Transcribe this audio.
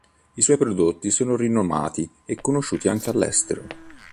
I suoi prodotti sono rinomati e conosciuti anche all'estero.